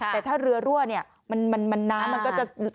แต่ถ้าเรือรั่วมันน้ำมันก็จะสุกไป